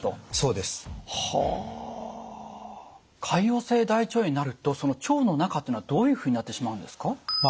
潰瘍性大腸炎になるとその腸の中っていうのはどういうふうになってしまうんですか？